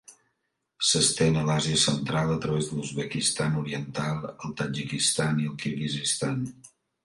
S'estén a l'Àsia Central a través de l'Uzbekistan oriental, el Tadjikistan i el Kirguizistan.